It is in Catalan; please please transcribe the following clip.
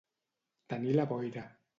Tenir la boira.